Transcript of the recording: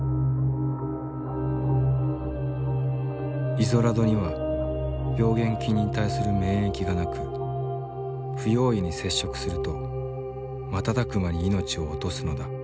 イゾラドには病原菌に対する免疫がなく不用意に接触すると瞬く間に命を落とすのだ。